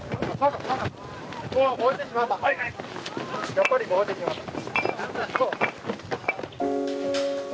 やっぱり燃えてしまった。